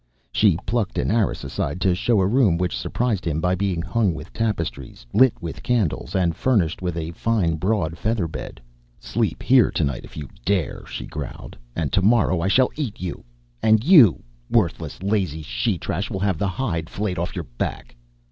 She plucked an arras aside to show a room which surprised him by being hung with tapestries, lit with candles, and furnished with a fine broad featherbed. "Sleep here tonight, if you dare," she growled. "And tomorrow I shall eat you and you, worthless lazy she trash, will have the hide flayed off your back!"